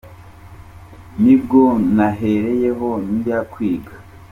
Ni bwo nahereyeho njya kwiga.